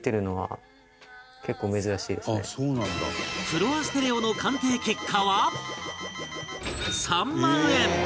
フロアステレオの鑑定結果は３万円